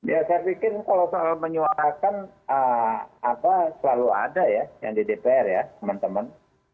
ya saya pikir kalau soal menyuarakan selalu ada ya yang di dpr ya teman teman